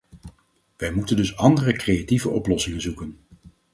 Wij moeten dus andere creatieve oplossingen zoeken.